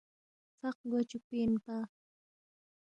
فق گو چُوکپی اِنپا